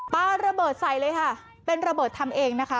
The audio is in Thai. ปลาระเบิดใส่เลยค่ะเป็นระเบิดทำเองนะคะ